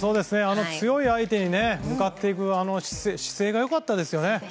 強い相手に向かっていくあの姿勢が良かったですよね。